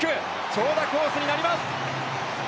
長打コースになります。